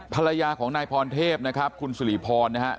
ภรรยาของนายพรเทพนะครับคุณสุริพรนะฮะ